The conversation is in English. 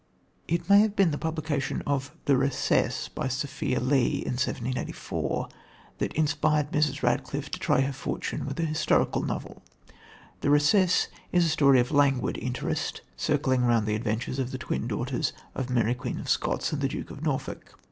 It may have been the publication of The Recess by Sophia Lee in 1785 that inspired Mrs. Radcliffe to try her fortune with a historical novel. The Recess is a story of languid interest, circling round the adventures of the twin daughters of Mary Queen of Scots and the Duke of Norfolk.